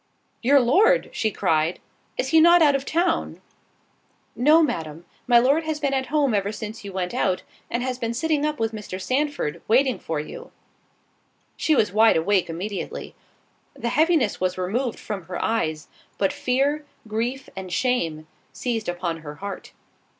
"Your Lord!" she cried, "Is he not out of town?" "No, Madam, my Lord has been at home ever since you went out; and has been sitting up with Mr. Sandford, waiting for you." She was wide awake immediately. The heaviness was removed from her eyes, but fear, grief, and shame, seized upon her heart.